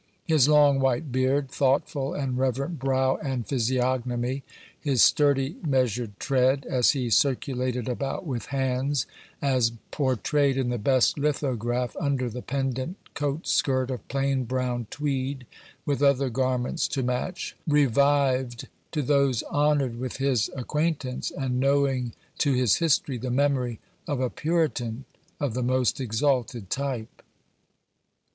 His long white beard, thoughtful and reverent brow and physiognomy, his sturdy, measured tread, as he circulated about with hands, as portrayed in the best lithograph, under the pendant coat skirt of plain brown Tweed, with other gar ments to match, revived to those honored with his acquaint ance and knowing to his history, the memory of a Puritan of the most exalted type.